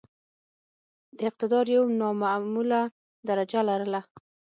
د اقتدار یو نامعموله درجه لرله.